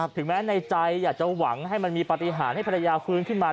ถึงแม้ในใจอยากจะหวังให้มันมีปฏิหารให้ภรรยาฟื้นขึ้นมา